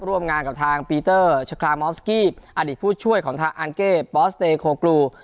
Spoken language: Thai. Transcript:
ร่วมงานกับทางปีเตอร์ชรามอฟสกี้อดีตผู้ช่วยของทางอันเก้ปอสเตยโคกลู